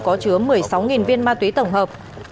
có chứa một mươi sáu viên ma túy tổng hợp